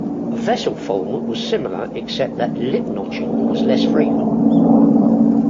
Vessel form was similar except that lip notching was less frequent.